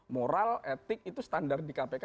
moral etik itu standar di kpk